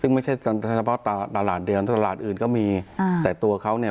ซึ่งไม่ใช่เฉพาะตลาดเดียวตลาดอื่นก็มีอ่าแต่ตัวเขาเนี่ย